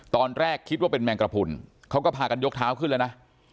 ตอนแรกคิดว่าเป็นแมงกระพุนเขาก็พากันยกเท้าขึ้นแล้วนะ